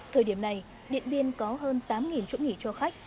thời điểm này điện biên có hơn tám chỗ nghỉ cho khách